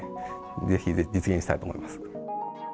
ぜひ実現したいと思います。